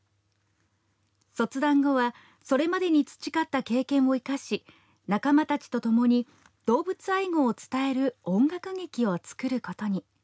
卒団後はそれまでに培った経験を生かし仲間たちとともに動物愛護を伝える音楽劇を作ることに。